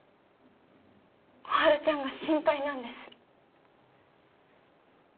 心春ちゃんが心配なんです